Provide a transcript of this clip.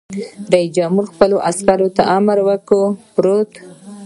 رئیس جمهور خپلو عسکرو ته امر وکړ؛ پورته!